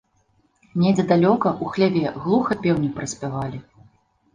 Недзе далёка, у хляве, глуха пеўні праспявалі.